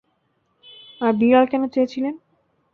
আর বিড়াল কেন চেয়েছিলে?